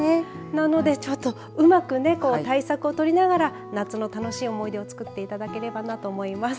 なのでちょっとうまく対策をとりながら夏の楽しい思い出をつくっていただければなと思います。